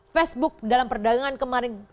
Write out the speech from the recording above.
facebook dalam perdagangan kemarin